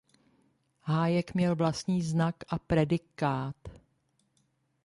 Hájek měl vlastní znak a predikát.